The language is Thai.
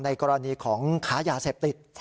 ในกรณีของขายาเสพติด